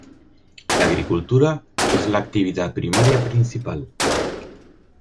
La agricultura es la actividad primaria principal.